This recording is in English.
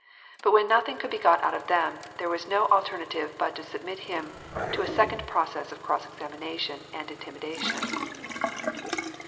Bat when nothing could be got out of them, there was no al ternative but to submit him to a second process of cross exami nation and intimidation.